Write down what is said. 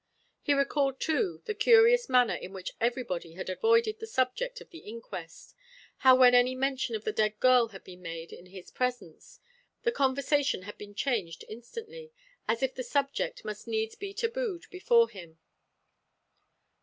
He recalled too the curious manner in which everybody had avoided the subject of the inquest; how when any mention of the dead girl had been made in his presence the conversation had been changed instantly, as if the subject must needs be tabooed before him.